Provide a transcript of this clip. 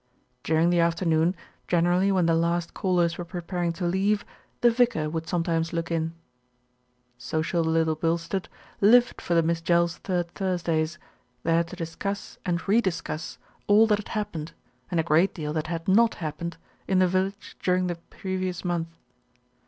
During the afternoon, generally when the last callers were preparing to leave, the vicar would sometimes look in. Social Little Bilstead lived for the Miss Jells' Third Thursdays, there to discuss and re discuss all that had happened, and a great deal that had not hap pened, in the village during the previous month.